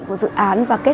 rồi các bạn ơi